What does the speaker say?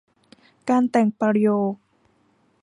การแต่งประโยค